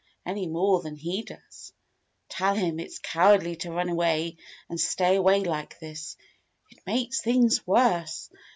any more than he does. Tell him it's cowardly to run away and stay away like this. It makes things worse.